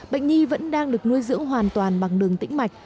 bệnh nhi vẫn đang được nuôi dưỡng hoàn toàn bằng đường tĩnh mạch